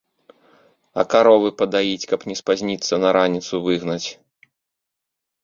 А каровы падаіць, каб не спазніцца на раніцу выгнаць?